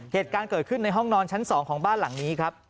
เหตุการณ์เกิดขึ้นในห้องนอนชั้น๒ของบ้านหลังนี้ครับ